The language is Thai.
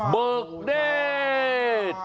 เบิกเดช